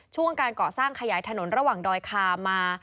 ช่วงการก่อสร้างขยายถนนระหว่างดอยคามา